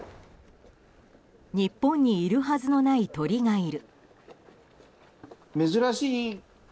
日本にいるはずのない鳥がいる。